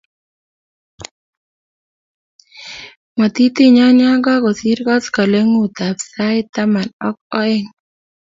Matitinyo ya kakusir koskoleng'utab sait taman ak oeng'